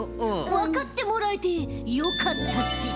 わかってもらえてよかったぜ。